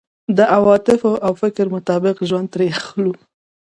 د عواطفو او فکر مطابق ژوند ترې اخلو.